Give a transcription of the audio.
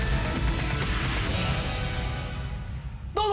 どうぞ！